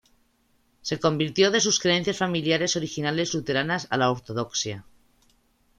Se convirtió de sus creencias familiares originales luteranas a la ortodoxia.